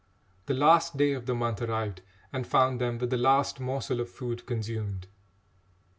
The last day of the month arrived and found them with the last morsel of food consumed.